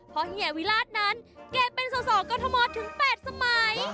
เพราะเฮียวิราชนั้นแกเป็นส่อกรทมถึง๘สมัย